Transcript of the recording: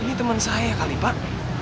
ini teman saya kali pak